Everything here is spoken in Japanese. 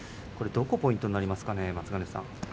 どこがポイントになりますか？